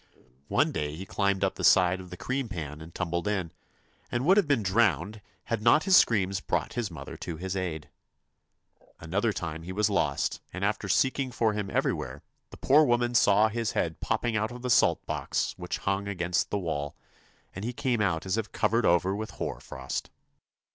One day he climbed up the side of the cream pan and tumbled in, and would have been drowned had not his screams brought his mother to his aid. Another time he was lost, and after seeking for him everywhere, the poor woman saw his head popping out of the salt box which hung against the wall, and he came out as if covered over with hoar frost.